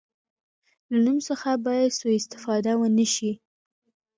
له نوم څخه باید سوء استفاده ونه شي.